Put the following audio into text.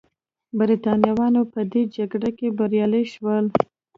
برېټانویان په دې جګړه کې بریالي شول.